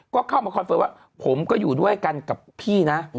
ก็เข้ามาคอนเฟิร์มว่าผมก็อยู่ด้วยกันกับพี่นะ